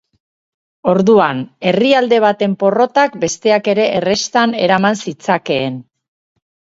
Orduan, herrialde baten porrotak besteak ere herrestan eraman zitzakeen.